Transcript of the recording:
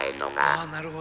ああなるほど。